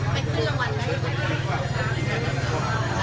ไปคลี่ยังไหวมั้ย